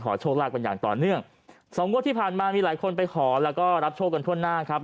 โชคลาภกันอย่างต่อเนื่องสองงวดที่ผ่านมามีหลายคนไปขอแล้วก็รับโชคกันทั่วหน้าครับ